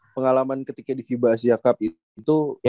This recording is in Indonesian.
pengalaman ketika di fiba asia cup itu